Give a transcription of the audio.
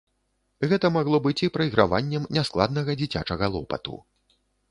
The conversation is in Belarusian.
Гэта магло быць і прайграваннем няскладнага дзіцячага лопату.